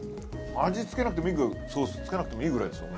味つけなくてもいいぐらいソースつけなくてもいいぐらいですよ